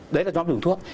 đấy là nhóm đường thuốc